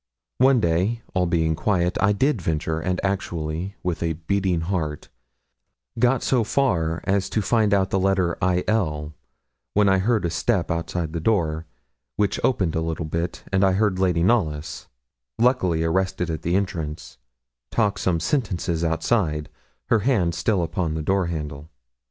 One day, all being quiet, I did venture, and actually, with a beating heart, got so far as to find out the letter 'Il,' when I heard a step outside the door, which opened a little bit, and I heard Lady Knollys, luckily arrested at the entrance, talk some sentences outside, her hand still upon the door handle.